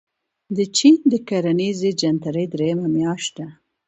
د چين د کرنیزې جنترې درېیمه میاشت ده.